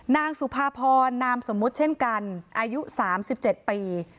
นางสุภาพรนามสมมุติเช่นกันอายุ๓๗ปี